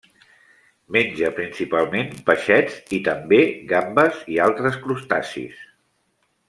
Menja principalment peixets i, també, gambes i altres crustacis.